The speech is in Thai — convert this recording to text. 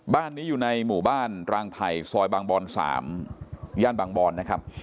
บ้านนี้อยู่ในหมู่บ้านรางไผ่ซอยบางบอน๓ย่านบางบอนนะครับ